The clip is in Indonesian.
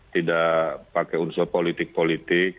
tidak pakai unsur politik politik